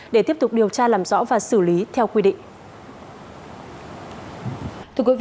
để tiếp tục điều tra làm rõ và xử lý theo quy định